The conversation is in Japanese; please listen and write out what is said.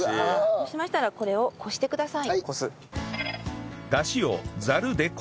そうしましたらこれをこしてください。